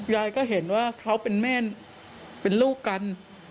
ยายก็เห็นว่าเขาเป็นแม่เป็นลูกกัน